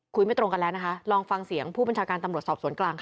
ไม่ตรงกันแล้วนะคะลองฟังเสียงผู้บัญชาการตำรวจสอบสวนกลางค่ะ